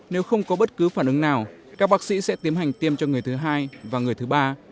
nếu không có bất cứ phản ứng nào các bác sĩ sẽ tiêm hành tiêm cho người thứ hai và người thứ ba